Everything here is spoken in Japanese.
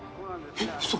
えっ嘘！？